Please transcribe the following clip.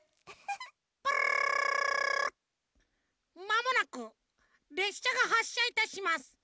「まもなくれっしゃがはっしゃいたします。